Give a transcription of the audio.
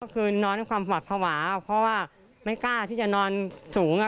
ก็คือนอนด้วยความหวัดภาวะเพราะว่าไม่กล้าที่จะนอนสูง